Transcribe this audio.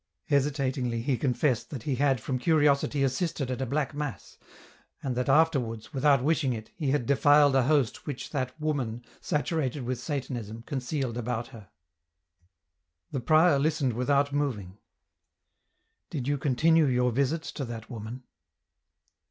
Hesitatingly he confessed that he had from curiosity assisted at a black mass, and that afterwards, without wish ing it, he had defiled a Host which that woman, saturated with Satanism, concealed about her. EN ROUTE. 193 The prior listened without moving. * Did you continue your visits to that woman